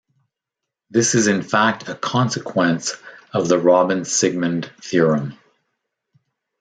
This is in fact a consequence of the Robbins-Siegmund theorem.